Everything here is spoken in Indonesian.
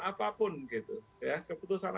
apapun gitu keputusan